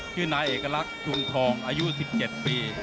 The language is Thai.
ชื่อนายเอกลักษณ์ชุมทองอายุ๑๗ปี